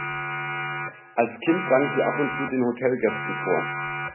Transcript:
Als Kind sang sie ab und zu den Hotelgästen vor.